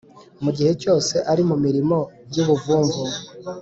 Mu gihe cyose ari mu mirimo y ubuvumvu